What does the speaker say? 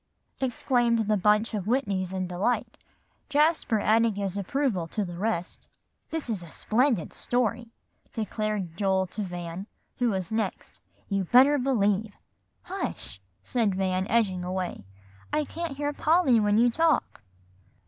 exclaimed the bunch of Whitneys in delight, Jasper adding his approval to the rest. "This is a splendid story," declared Joel to Van, who was next, "you better believe." "Hush!" said Van, edging away; "I can't hear Polly when you talk."